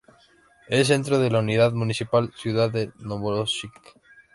Es centro de la unidad municipal "Ciudad de Novorosíisk".